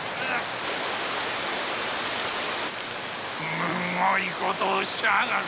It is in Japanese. むごいことをしやがる！